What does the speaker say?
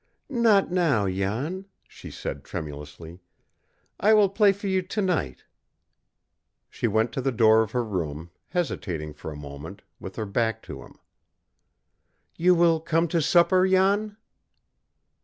"Not now, Jan," she said tremulously. "I will play for you to night." She went to the door of her room, hesitating for a moment, with her back to him. "You will come to supper, Jan?"